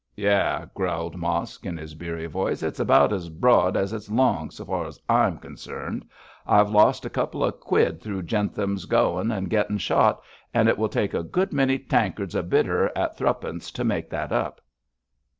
'Yah!' growled Mosk, in his beery voice, 'it's about as broad as it's long so far as I'm concerned. I've lost a couple of quid through Jentham goin' and gettin' shot, and it will take a good many tankards of bitter at thru'p'nce to make that up.'